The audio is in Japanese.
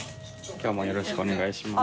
きょうもよろしくお願いします。